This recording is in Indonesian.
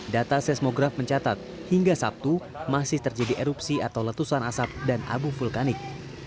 data seismograf mencatat hingga sabtu masih terjadi erupsi atau letusan asap dan abu vulkanik